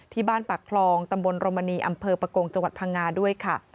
ปากคลองตำบลรมณีอำเภอประกงจังหวัดพังงาด้วยค่ะ